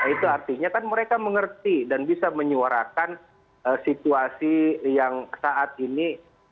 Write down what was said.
itu artinya kan mereka mengerti dan bisa menyuarakan situasi yang saat ini